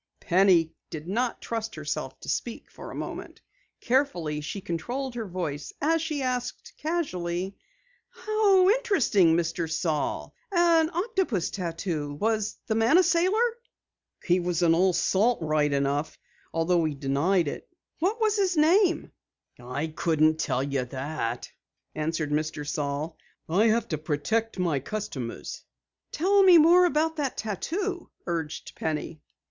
Penny did not trust herself to speak for a moment. Carefully she controlled her voice as she said casually: "How interesting, Mr. Saal, An octopus tattoo! Was the man a sailor?" "He was an old salt all right, though he denied it." "What is his name?" "I couldn't tell you that," answered Mr. Saal. "I have to protect my customers." "Tell me more about the tattoo," urged Penny.